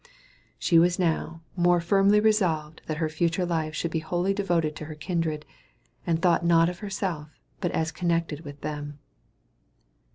She was now more firmly resolved that her future life should be wholly devoted to her kindred, and thought not of herself but as connected with them.